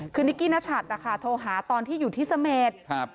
คือนิกกี้นัชัตริย์นะคะโทรหาตอนที่อยู่ที่สเมษ